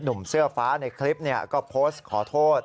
หนุ่มเสื้อฟ้าในคลิปก็โพสต์ขอโทษ